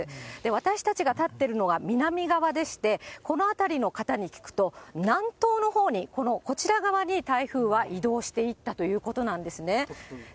私たちが立ってるのは、南側でして、この辺りの方に聞くと、南東のほうに、この、こちら側に台風は移動していったということなんですね。